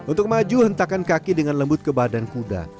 untuk maju hentakan kaki dengan lembut ke badan kuda